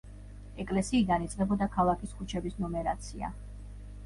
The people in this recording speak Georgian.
ეკლესიიდან იწყებოდა ქალაქის ქუჩების ნუმერაცია.